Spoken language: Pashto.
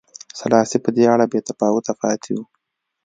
سلاسي په دې اړه بې تفاوته پاتې و.